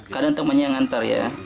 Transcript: kadang temannya yang nganter ya